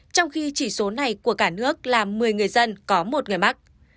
trong khi chỉ số này của cả nước là một mươi người dân có một người mắc